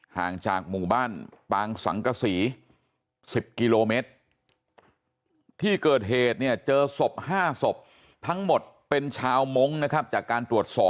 ห่างจากหมู่บ้านปางสังกษี๑๐กิโลเมตร